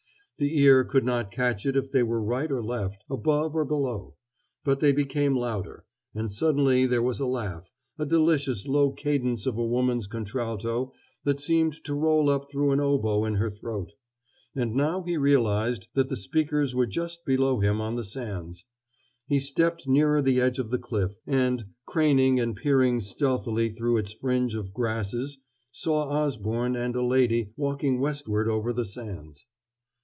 The ear could not catch if they were right or left, above or below. But they became louder; and suddenly there was a laugh, a delicious low cadence of a woman's contralto that seemed to roll up through an oboe in her throat. And now he realized that the speakers were just below him on the sands. He stepped nearer the edge of the cliff, and, craning and peering stealthily through its fringe of grasses, saw Osborne and a lady walking westward over the sands.